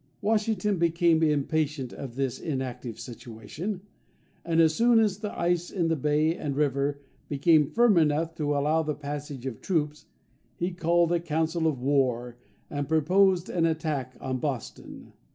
Washington became impatient of this inactive situation; and as soon as the ice in the bay and river became firm enough to allow the passage of troops, he called a council of war, and proposed an attack on Boston.